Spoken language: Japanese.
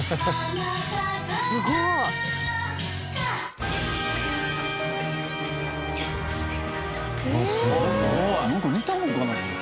すごい！